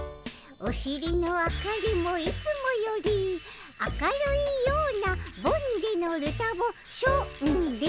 おしりの明かりもいつもより明るいようなボんでのルタボしょんで！